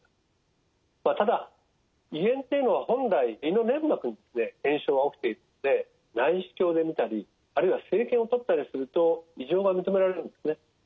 ただ胃炎っていうのは本来胃の粘膜で炎症が起きているので内視鏡でみたりあるいは生検をとったりすると異常が認められるんですね。